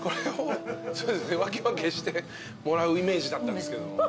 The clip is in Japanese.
分け分けしてもらうイメージだったんですけど。